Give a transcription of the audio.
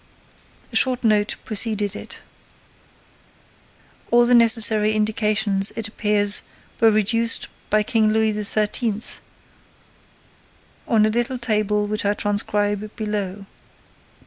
A short note preceded it: All the necessary indications, it appears, were reduced by King Louis XIII. into a little table which I transcribe below.